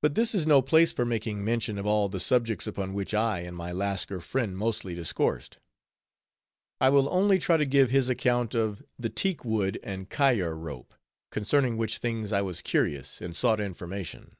But this is no place for making mention of all the subjects upon which I and my Lascar friend mostly discoursed; I will only try to give his account of the teakwood and kayar rope, concerning which things I was curious, and sought information.